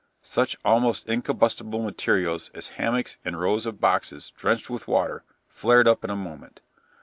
Such almost incombustible materials as hammocks and rows of boxes, drenched with water, flared up in a moment.